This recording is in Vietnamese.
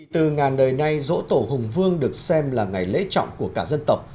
từ ngàn đời nay dỗ tổ hùng vương được xem là ngày lễ trọng của cả dân tộc